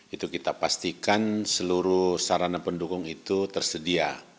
itu kita pastikan seluruh sarana pendukung itu tersedia